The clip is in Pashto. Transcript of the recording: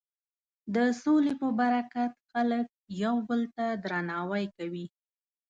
د سولې په برکت خلک یو بل ته درناوی کوي.